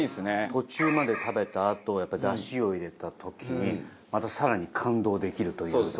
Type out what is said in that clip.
途中まで食べたあとやっぱダシを入れた時にまた更に感動できるというところが。